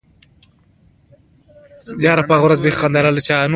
غیرتمند د دروغو خلاف دریږي